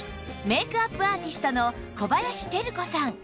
メイクアップアーティストの小林照子さん